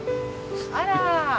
あら。